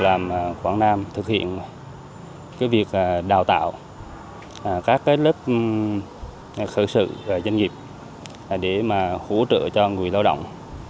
là việc đào tạo các lớp khởi sự doanh nghiệp để hỗ trợ cho người lao động